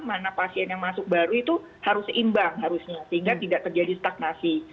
mana pasien yang masuk baru itu harus seimbang harusnya sehingga tidak terjadi stagnasi